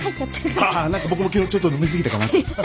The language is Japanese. ああ何か僕も昨日ちょっと飲み過ぎたかな。